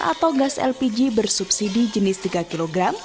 atau gas lpg bersubsidi jenis tiga kg